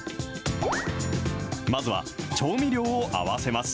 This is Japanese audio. まずは調味料を合わせます。